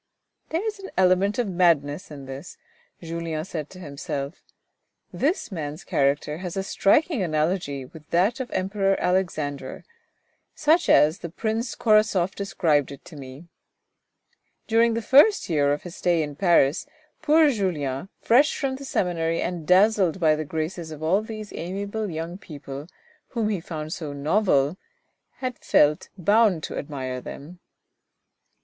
" There is an element of madness in this," Julien said to himself. This man's character has a striking analogy with that of the Emperor Alexander, such as the Prince Korasoff described it to me. During the first year of his stay in Paris poor Julien, fresh from the seminary and dazzled by the graces of all these amiable young people, whom he found so novel, had felt bound to admire them.